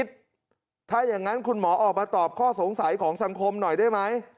ถ้าอย่างนั้นคุณหมอออกมาตอบข้อสงสัยของสังคมหน่อยได้ไหม